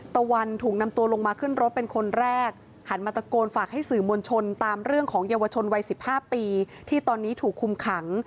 ตะวันถูกนำตัวลงมาขึ้นรถเป็นคนแรกหันมาตะโกนฝากให้สื่อมวลชนตามเรื่องของเยาวชนวัย๑๕ปีที่ตอนนี้ถูกคุมขัง